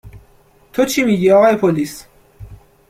تو چی میگی آقای پلیس؟